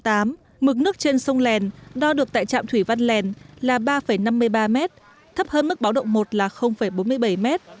trong lúc một mươi sáu h mực nước trên sông lèn đo được tại trạm thủy văn lèn là ba năm mươi ba m thấp hơn mức báo động một là bốn mươi bảy m